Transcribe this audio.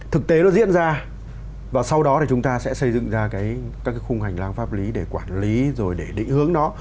thực tế nó diễn ra và sau đó thì chúng ta sẽ xây dựng ra các cái khung hành lang pháp lý để quản lý rồi để định hướng nó